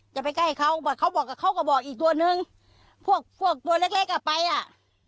จะไปใกล้เขาบอกเขาบอกกับเขาก็บอกอีกตัวนึงพวกพวกตัวเล็กเล็กอ่ะไปอ่ะ